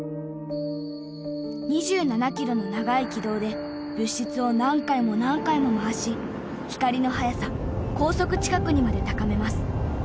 ２７キロの長い軌道で物質を何回も何回も回し光の速さ光速近くにまで高めます。